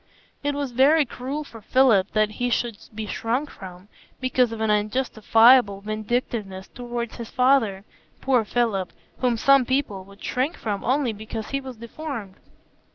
It was very cruel for Philip that he should be shrunk from, because of an unjustifiable vindictiveness toward his father,—poor Philip, whom some people would shrink from only because he was deformed.